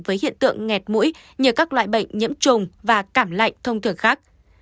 với hiện tượng nghẹt mũi nhờ các loại bệnh nhiễm trùng và cảm lạnh thông thường khác